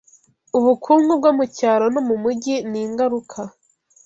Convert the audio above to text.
Ubukungu bwo mu cyaro no mu mijyi n'ingaruka